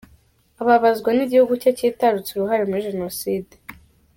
Ababazwa n’igihugu cye cyitarutsa uruhare muri Jenoside.